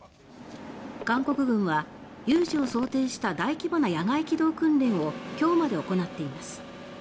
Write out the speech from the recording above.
韓国軍は有事を想定した大規模な野外機動訓練を今日まで行っています。